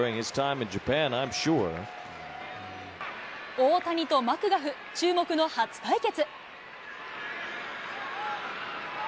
大谷とマクガフ、注目の初対決。